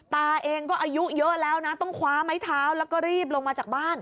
ตาเองก็อายุเยอะแล้วนะต้องคว้าไม้เท้าแล้วก็รีบลงมาจากบ้าน